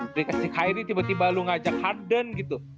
dikasih highri tiba tiba lu ngajak harden gitu